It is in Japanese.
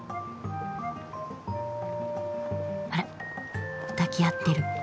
あらっ抱き合ってる。